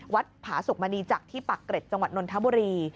ผาสุกมณีจักรที่ปากเกร็จจังหวัดนนทบุรี